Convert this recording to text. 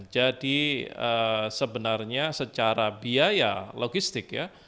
jadi sebenarnya secara biaya logistik ya